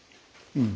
うん。